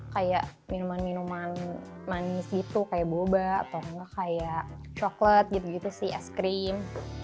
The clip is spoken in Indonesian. kayak minuman minuman manis gitu kayak boba atau enggak kayak coklat gitu gitu sih es krim